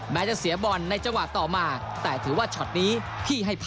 แม้จะเสียบอลในเจาะต่อมาแต่ถือว่าช็อตนี้พี่ให้ผ่าน